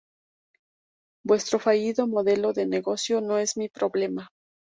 vuestro fallido modelo de negocio no es mi problema